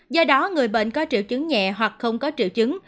do đó người bệnh có triệu chứng nhẹ hoặc không có triệu chứng